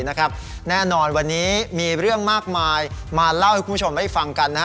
แน่นอนวันนี้มีเรื่องมากมายมาเล่าให้คุณผู้ชมได้ฟังกัน